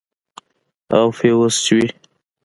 او فيوز چوي.